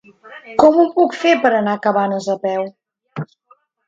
Com ho puc fer per anar a Cabanes a peu?